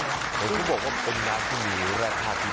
เขาพูดว่ามีผลประโยชน์ที่มีแร่ธาตุที่มี